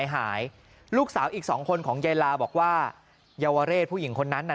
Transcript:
หายลูกสาวอีกสองคนของยายลาบอกว่าเยาวเรศผู้หญิงคนนั้นน่ะ